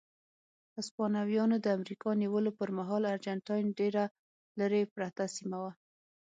هسپانویانو د امریکا نیولو پر مهال ارجنټاین ډېره لرې پرته سیمه وه.